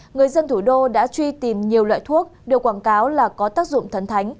người dân thủ đô đã truy tìm nhiều loại thuốc đều quảng cáo là có tác dụng thấn thánh